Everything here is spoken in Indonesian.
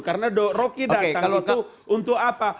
karena rocky datang itu untuk apa